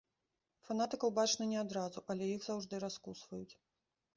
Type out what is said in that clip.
Фанатыкаў бачна не адразу, але іх заўжды раскусваюць.